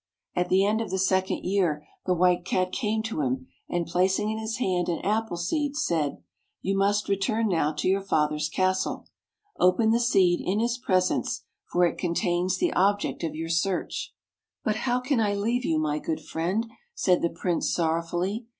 At the end of the second year, the White Cat came to him, and placing in his hand an apple seed, said, "You must return now to your father's castle. Open the seed in his presence — for it contains the object of your search." " But how can I leave you, my good friend? " said the Prince sorrowfully.